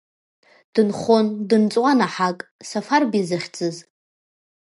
Дынхон дынҵуан аҳак, Сафарбеи захьӡыз.